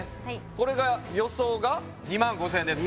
これが予想が２万５０００円です